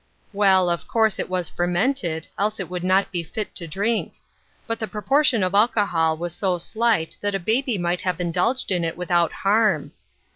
" Well, of course it was fermented, else it would not be fit to drink ; but the proportion of alcohol was so slight that a baby might have indulged in it without harm."